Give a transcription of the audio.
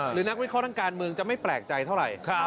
นักวิเคราะห์ทางการเมืองจะไม่แปลกใจเท่าไหร่